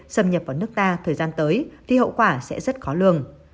xâm nhập vào nước ta thời gian tới thì hậu quả sẽ rất khó lường